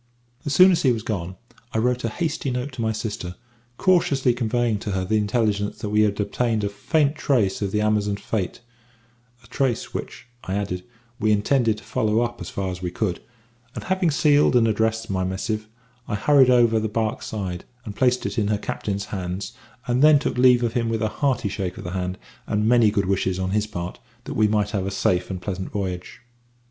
As soon as he was gone, I wrote a hasty note to my sister, cautiously conveying to her the intelligence that we had obtained a faint trace of the Amazons fate; a trace which, I added, we intended to follow up as far as we could, and having sealed and addressed my missive, I hurried up over the barque's side, and placed it in her captain's hands, and then took leave of him with a hearty shake of the hand and many good wishes on his part that we might have a safe and pleasant voyage.